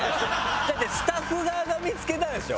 だってスタッフ側が見つけたんでしょ？